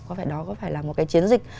có phải đó là một cái chiến dịch